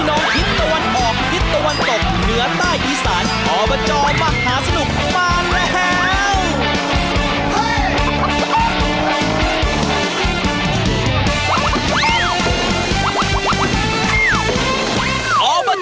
ออบจมหาสนุก